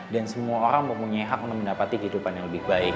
dan semua orang mempunyai hak untuk mendapati kehidupan yang lebih baik